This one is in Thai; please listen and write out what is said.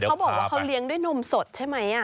เขาบอกว่าเขาเลี้ยงด้วยนมสดใช่ไหม